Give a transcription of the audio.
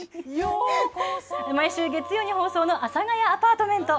毎週月曜に放送の阿佐ヶ谷アパートメント。